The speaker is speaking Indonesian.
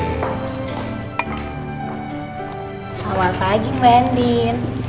selamat pagi mbak endin